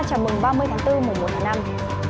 chào mừng ba mươi tháng bốn mùa một tháng năm